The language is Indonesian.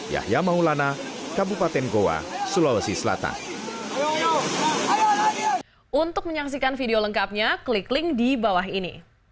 yahya maulana kabupaten goa sulawesi selatan